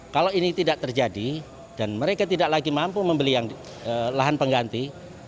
kalau ini tidak terjadi dan mereka tidak lagi mampu membeli lahan pengganti